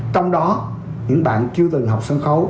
trong đó những bạn chưa từng học sân khấu